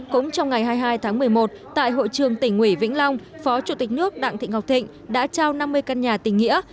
cũng trong ngày hai mươi hai tháng một mươi một tại hội trường tỉnh ủy vĩnh long phó chủ tịch nước đặng thị ngọc thịnh đã trao năm mươi căn nhà tỉnh nghĩa